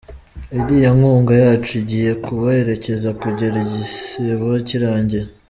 Iriya nkunga yacu igiye kubaherekeza kugera igisibo kirangiye.